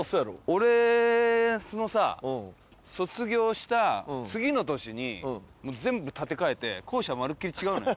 俺そのさ卒業した次の年に全部建て替えて校舎まるっきり違うのよ。